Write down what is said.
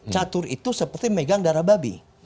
catur itu seperti megang darah babi